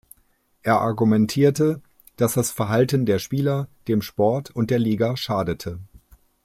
Er argumentierte, dass das Verhalten der Spieler dem Sport und der Liga schadete.